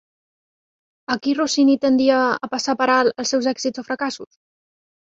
A qui Rossini tendia a passar per alt els seus èxits o fracassos?